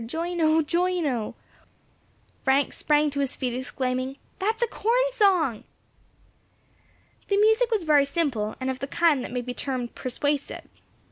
Join, oh! join, oh!" Frank sprang to his feet, exclaiming, "That is a corn song!" The music was very simple, and of the kind that may be termed persuasive.